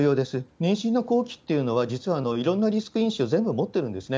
妊娠の後期というのは実はいろんなリスク因子を全部持ってるんですね。